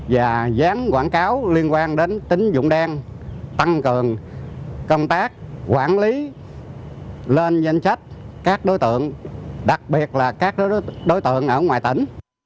và dán quảng cáo liên quan đến tính dụng đen tăng cường công tác quản lý lên danh sách các đối tượng đặc biệt là các đối tượng ở ngoài tỉnh